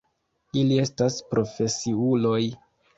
Ili estas profesiuloj.